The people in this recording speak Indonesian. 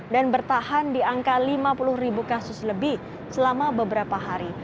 dan bertahan di angka lima puluh ribu kasus lebih selama beberapa hari